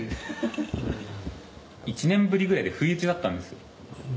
１年ぶりぐらいで不意打ちだったんです。